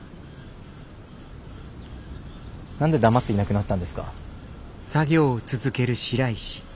何で黙っていなくなったんですか。